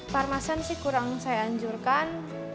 parmasan sih kurang saya anjurkan